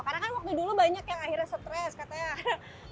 karena kan waktu dulu banyak yang akhirnya stress